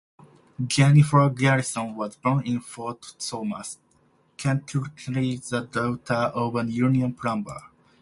Jennifer Garrison was born in Fort Thomas, Kentucky, the daughter of a union plumber.